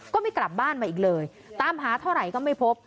ก็ไม่กลับบ้านมาอีกเลยตามหาเท่าไหร่ก็ไม่พบ